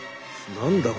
何だ！？